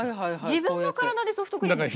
自分の体でソフトクリームですか？